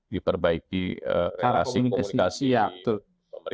diperbaiki relasi komunikasi pemerintah